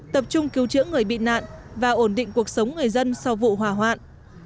tập trung cứu trữa người bị nạn và ổn định cuộc sống người dân sau vụ hòa hoạn